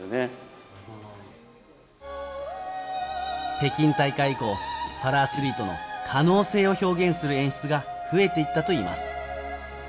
北京大会以降パラアスリートの可能性を表現する演出が増えていったといいます。